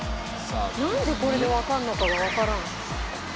「なんでこれでわかるのかがわからん」